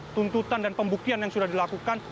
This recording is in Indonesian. tuntutan dan pembuktian yang sudah dilakukan